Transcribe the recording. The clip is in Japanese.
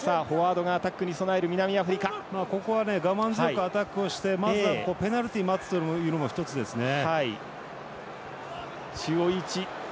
ここは我慢強くアタックしてまずはペナルティ待つというのも１つですね。